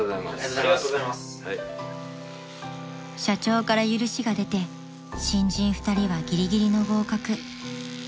［社長から許しが出て新人２人はギリギリの合格］